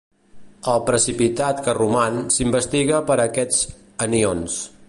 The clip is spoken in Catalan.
El precipitat que roman s'investiga per a aquests anions.